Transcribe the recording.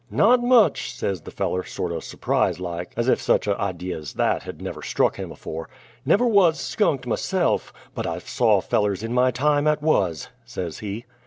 "Not much!" says the feller, sorto' s'prised like, as ef such a' idy as that had never struck him afore. "Never was 'skunked' myse'f: but I've saw fellers in my time 'at wuz!" says he.